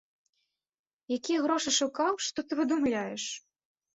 Якія грошы шукаў, што ты выдумляеш!